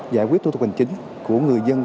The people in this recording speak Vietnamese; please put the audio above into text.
giải quyết thủ tục hành chính của người dân